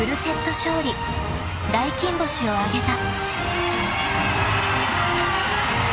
［大金星を挙げた］